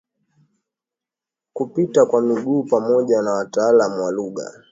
kupita kwa miguu pamoja na wataalamu wa lugha